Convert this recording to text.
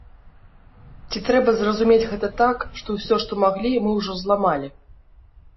Ці трэба разумець гэта так, што ўсё, што маглі, мы ўжо зламалі?